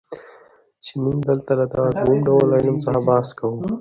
چي موږ دلته له دغه دووم ډول علم څخه بحث کوو.